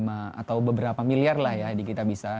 atau beberapa miliar lah ya di kitabisa